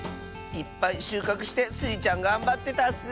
いっぱいしゅうかくしてスイちゃんがんばってたッス！